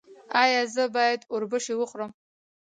ایا زه باید اوربشې وخورم؟